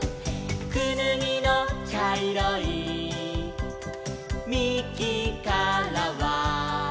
「くぬぎのちゃいろいみきからは」